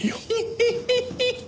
ヘヘヘヘ！